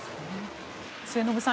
末延さん